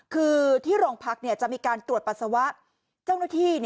คือที่โรงพักจะมีการตรวจปัสสาวะเจ้าหน้าที่